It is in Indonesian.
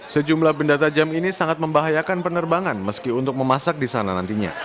sejumlah benda tajam ini sangat membahayakan penerbangan meski untuk memasak di sana nantinya